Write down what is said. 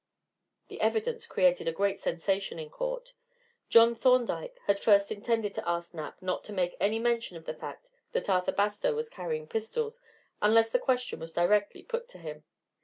The evidence created a great sensation in court. John Thorndyke had first intended to ask Knapp not to make any mention of the fact that Arthur Bastow was carrying pistols unless the question was directly put to him.